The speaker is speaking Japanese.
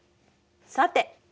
さて！